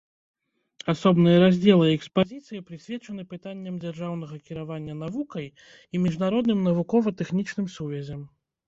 Асобныя раздзелы экспазіцыі прысвечаны пытанням дзяржаўнага кіравання навукай і міжнародным навукова-тэхнічным сувязям.